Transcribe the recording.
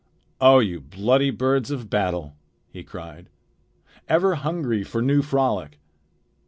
"O you bloody birds of battle!" he cried. "Ever hungry for new frolic!